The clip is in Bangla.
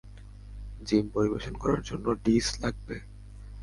জিম, পরিবেশন করার জন্য ডিস লাগবে।